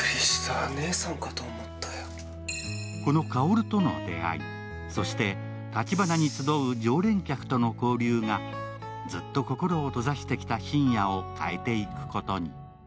この香との出会い、そしてたちばなに集う常連客との交流がずっと心を閉ざしてきた信也を変えていくことに。